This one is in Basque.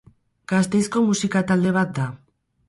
Gasteizko musika talde bat da.